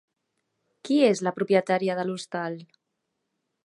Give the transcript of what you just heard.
Qui és la propietària de l'hostal?